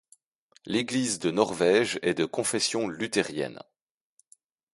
L’Église de Norvège est de confession luthérienne.